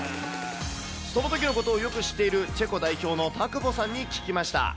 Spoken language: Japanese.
そのときのことをよく知っている、チェコ代表の田久保さんに聞きました。